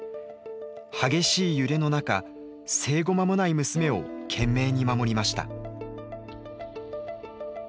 激しい揺れの中生後間もない娘を懸命に守りました。